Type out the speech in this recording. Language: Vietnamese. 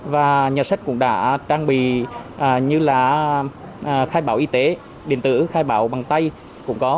và nhà sách cũng đã trang bị như là khai báo y tế điện tử khai báo bằng tay cũng có